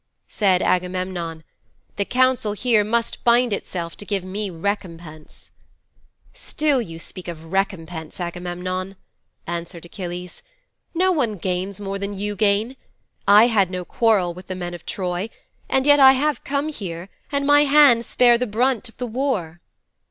"' 'Said Agamemnon: "The council here must bind itself to give me recompense."' '"Still you speak of recompense, Agamemnon," answered Achilles. "No one gains more than you gain. I had no quarrel with the men of Troy, and yet I have come here, and my hands bear the brunt of the war."'